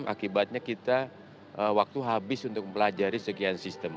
akibatnya kita waktu habis untuk mempelajari sekian sistem